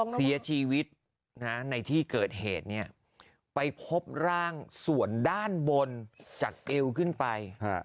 เสียชีวิตในที่เกิดเหตุไปพบร่างส่วนด้านบนจากเอวขึ้นไป